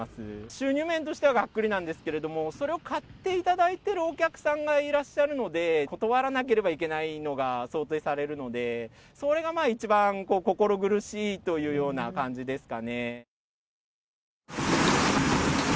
収入面としてはがっくりなんですけど、それを買っていただいてるお客さんがいらっしゃるので、断らなければいけないのが想定されるので、それがまあ、一番、心苦しいというような感じですかね。